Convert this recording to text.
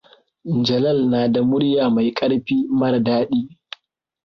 Jalal na da murya mai ƙarfi, mara daɗi.